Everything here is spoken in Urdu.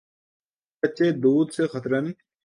کچے دودھ سے خطرن